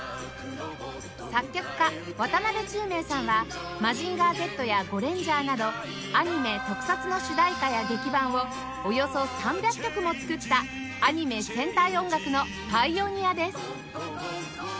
作曲家渡辺宙明さんは『マジンガー Ｚ』や『ゴレンジャー』などアニメ・特撮の主題歌や劇伴をおよそ３００曲も作ったアニメ・戦隊音楽のパイオニアです